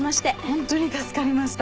ホントに助かりました。